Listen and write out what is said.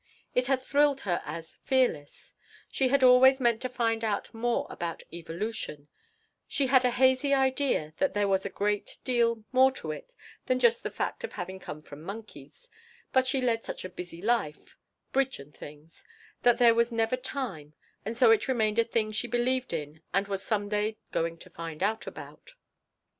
It had thrilled her as "fearless," She had always meant to find out more about evolution, she had a hazy idea that there was a great deal more to it than just the fact of having come from monkeys, but she led such a busy life bridge and things that there was never time and so it remained a thing she believed in and was some day going to find out about.